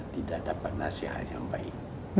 tidak dapat nasihat yang baik